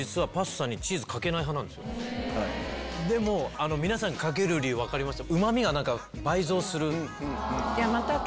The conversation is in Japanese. でも皆さんがかける理由分かりました。